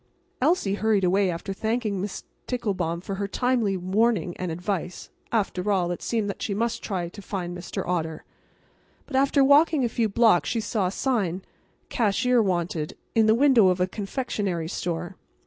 Elsie hurried away after thanking Miss Ticklebaum for her timely warning and advice. After all, it seemed that she must try to find Mr. Otter. But after walking a few blocks she saw a sign, "Cashier wanted," in the window of a confectionery store.